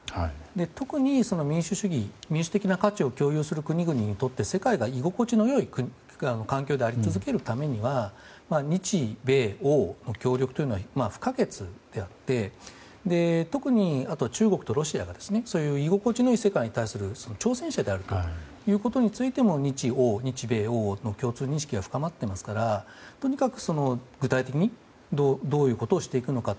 特に民主主義、民主的な価値を共有する国々にとって世界が居心地の良い環境であり続けるためには日米欧の協力というのは不可欠であってあとは、中国とロシアが居心地のいい世界に対して挑戦者であるということについても日欧、日米欧の共通認識は深まっていますからとにかく、具体的にどういうことをしていくのかと。